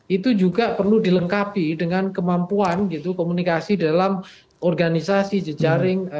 itu juga perlu dilengkapi dengan kemampuan gitu komunikasi dalam organisasi jejaring